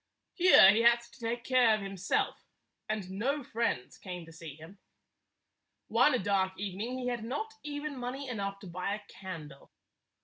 Here he had to take care of himself, and no friends 167 came to see him. One dark evening he had not even money enough to buy a candle.